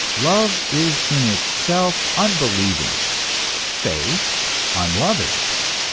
Love is in itself unbelieving, faith unloving.